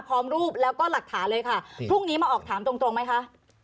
พรุ่งนี้มาออกถามตรงไหมคะ